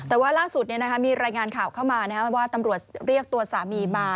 แต่ว่าล่าสุดมีรายงานข่าวเข้ามาว่าตำรวจเรียกตัวสามีมา